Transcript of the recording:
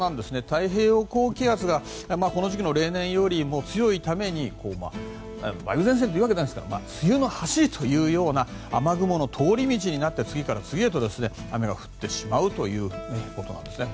太平洋高気圧がこの時期の例年より強いために梅雨前線というわけじゃないですが梅雨の走りというような雨雲の通り道になって次から次へと雨が降ってしまうということなんですね。